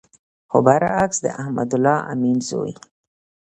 خو بر عکس د احمد الله امین زوی